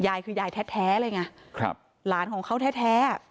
ยายคือยายแท้เลยไงครับหลานของเขาแท้